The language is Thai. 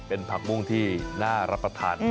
เป็นผักบุ้งที่น่ารับประทาน